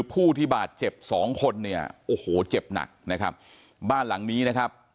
ผู้ที่บาดเจ็บสองคนเนี่ยโอ้โหเจ็บหนักนะครับบ้านหลังนี้นะครับ